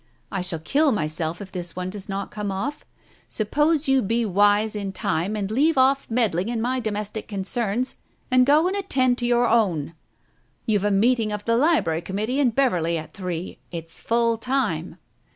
I shall kill myself if this one does not come off. Sup pose you be wise in time, and leave off meddling in my domestic concerns, and go and attend to your own. You've a meeting of the Library Committee in Beverley at three. It's full time."